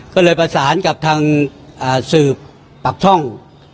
ก็เลยประสานกับทางสืบปากช่อง